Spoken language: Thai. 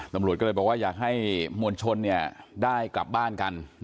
ตำรวจก็เลยบอกว่าอยากให้มวลชนได้กลับบ้านกัน